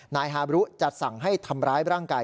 นายฮาบรุจะสั่งให้ทำร้ายร่างกาย